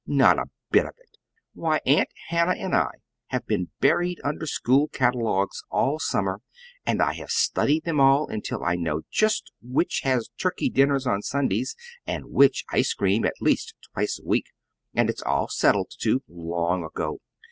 Not a bit of it! Why, Aunt Hannah and I have been buried under school catalogues all summer, and I have studied them all until I know just which has turkey dinners on Sundays, and which ice cream at least twice a week. And it's all settled, too, long ago.